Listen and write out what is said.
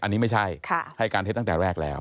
อันนี้ไม่ใช่ให้การเท็จตั้งแต่แรกแล้ว